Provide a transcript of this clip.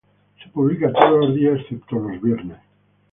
Se publica todos los días, excepto los viernes.